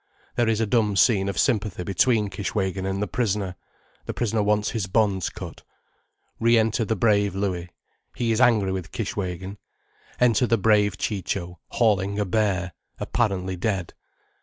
There is a dumb scene of sympathy between Kishwégin and the prisoner—the prisoner wants his bonds cut. Re enter the brave Louis—he is angry with Kishwégin—enter the brave Ciccio hauling a bear, apparently dead.